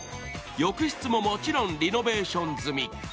浴室も、もちろんリノベーション済み。